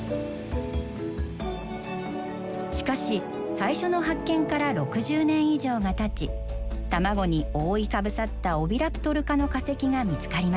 しかし最初の発見から６０年以上がたち卵に覆いかぶさったオビラプトル科の化石が見つかりました。